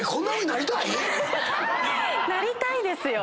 なりたいですよ。